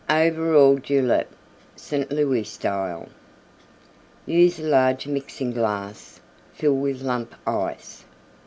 OVERALL JULEP St. Louis Style Use a large Mixing glass; fill with Lump Ice.